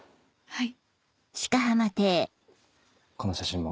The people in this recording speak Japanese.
はい。